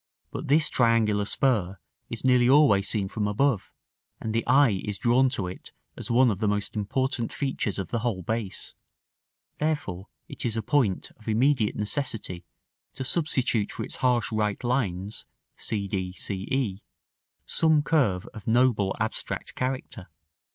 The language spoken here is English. But this triangular spur is nearly always seen from above, and the eye is drawn to it as one of the most important features of the whole base; therefore it is a point of immediate necessity to substitute for its harsh right lines (c d, c e) some curve of noble abstract character.